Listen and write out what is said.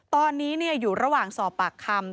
ตอนนี้อยู่ระหว่างสอบปากคำ